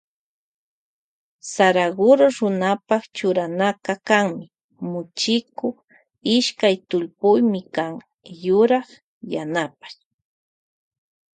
Saraguro runapa churanaka kanmi muchiku ishkay tullpimikan yurak yanapash.